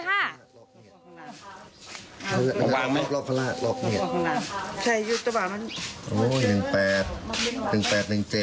รอบฟ้าลาดรอบนี้โอ้โห๑๘๑๗